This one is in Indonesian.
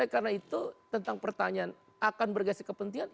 karena itu tentang pertanyaan akan bergaya sekepentingan